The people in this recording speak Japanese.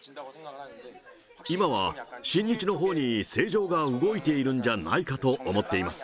今は親日のほうに政情が動いているんじゃないかと思っています。